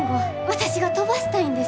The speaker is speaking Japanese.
私が飛ばしたいんです。